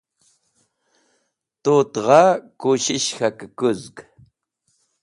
Tut gha kushish k̃hakẽkũzg.